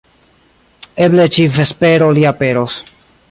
Eble ĉi-vespero li aperos